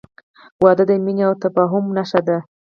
• واده د مینې او تفاهم نښه ده.